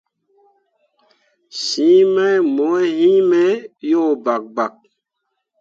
Siŋ mai mo heme yo bakbak.